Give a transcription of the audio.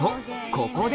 ここで？